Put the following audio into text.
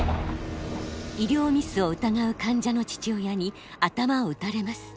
医療ミスを疑う患者の父親に頭を撃たれます。